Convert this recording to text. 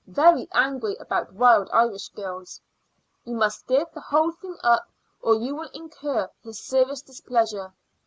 Very angry about Wild Irish Girls. You must give the whole thing up or you will incur his serious displeasure.